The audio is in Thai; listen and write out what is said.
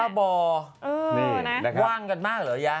บ้าบอว่างกันมากเหรอยะ